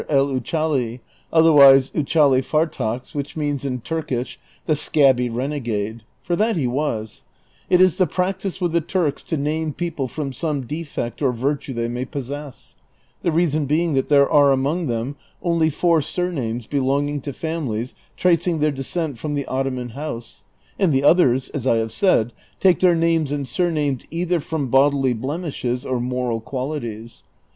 El Uchali, otherwise Uchali Fartax, which means in Turkish "the scabby renegade ;" for that he was ; it is the practice with the Tiu'ks to name people from some defect or virtue they may possess ; the reason being that there are among them only four surnames belong ing to families tracing their descent from the Ottoman house, and the others, as I have said, take their names and surnames either from bodily blemishes or moral qualities.